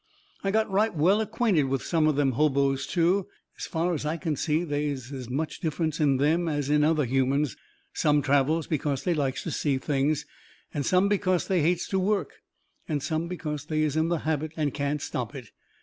I got right well acquainted with some of them hobos, too. As fur as I can see, they is as much difference in them as in other humans. Some travels because they likes to see things, and some because they hates to work, and some because they is in the habit and can't stop it.